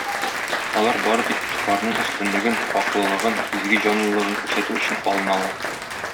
Алар бары тик Илфарның өстенлеген, хаклылыгын, "изге җанлылыгын" күрсәтү өчен алыналар.